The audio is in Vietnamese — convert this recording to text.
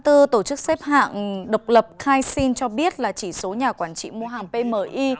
tổ chức xếp hạng độc lập kaixin cho biết là chỉ số nhà quản trị mua hàng pmi